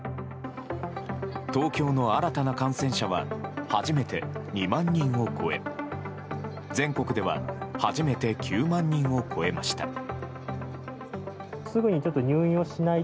東京の新たな感染者は初めて２万人を超え全国では初めて９万人を超えました。